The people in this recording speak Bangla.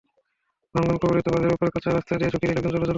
ভাঙনকবলিত বাঁধের ওপরের কাঁচা রাস্তা দিয়ে ঝুঁকি নিয়ে লোকজন চলাচল করছে।